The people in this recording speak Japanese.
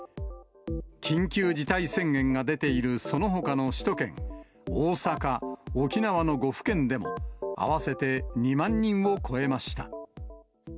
緊急事態宣言が出ているそのほかの首都圏、大阪、沖縄の５府県でも合わせて２万人を超えました。